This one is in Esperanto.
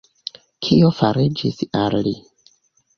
Kio fariĝis al li?